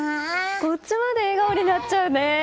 こっちまで笑顔になっちゃうね。